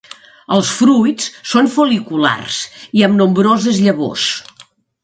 Els fruits són fol·liculars i amb nombroses llavors.